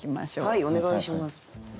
はいお願いします。